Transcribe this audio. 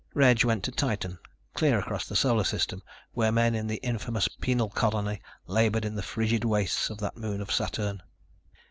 Reg went to Titan, clear across the Solar System, where men in the infamous penal colony labored in the frigid wastes of that moon of Saturn.